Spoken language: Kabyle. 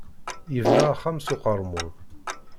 Yebna axxam s uqeṛmud.